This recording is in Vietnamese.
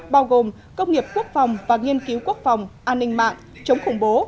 bao gồm công nghiệp quốc phòng và nghiên cứu quốc phòng an ninh mạng chống khủng bố